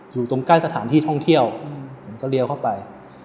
อยู่ตรงใกล้สถานที่ท่องเที่ยวผมก็เลี้ยวเข้าไป